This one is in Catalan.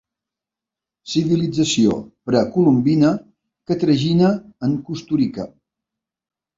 Civilització precolombina que tragina en Kusturica.